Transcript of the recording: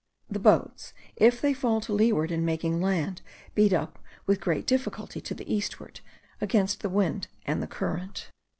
The boats, if they fall to leeward in making land, beat up with great difficulty to the eastward, against the wind and the current.